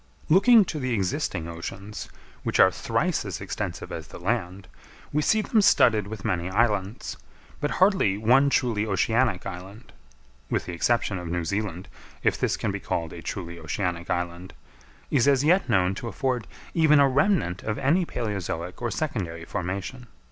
Looking to the existing oceans, which are thrice as extensive as the land, we see them studded with many islands; but hardly one truly oceanic island (with the exception of New Zealand, if this can be called a truly oceanic island) is as yet known to afford even a remnant of any palæozoic or secondary formation.